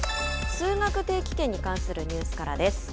通学定期券に関するニュースからです。